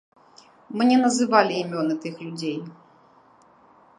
Мне называлі імёны тых людзей.